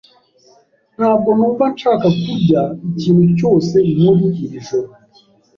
Ntabwo numva nshaka kurya ikintu cyose muri iri joro.